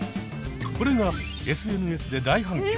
これがＳＮＳで大反響。